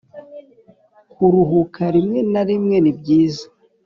kuruhuka rimwe na rimwe nibyiza